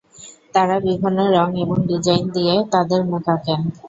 তারা বিভিন্ন রঙ এবং ডিজাইন দিয়ে তাদের মুখ আঁকেন।